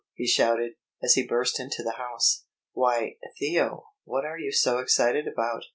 he shouted, as he burst into the house. "Why, Theo, what are you so excited about?"